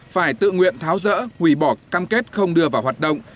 phải tự nguyện tháo rỡ hủy bỏ cam kết không đưa vào hoạt động